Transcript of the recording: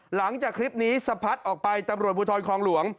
หลังจากคลิปนี้สะพัดออกไปตำรวจภูทรคลองหลวง